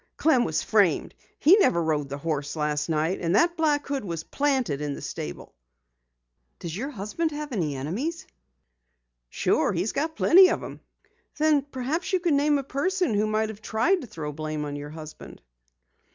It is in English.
"Clem was framed. He never rode the horse last night, and that black hood was planted in the stable." "Does your husband have any enemies?" "Sure, he's got plenty of 'em." "Then perhaps you can name a person who might have tried to throw blame on your husband."